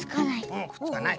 うんくっつかない。